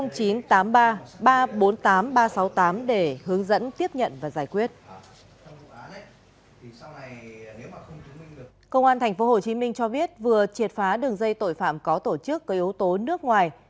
công an tp hcm cho biết vừa triệt phá đường dây tội phạm có tổ chức cây ấu tố nước ngoài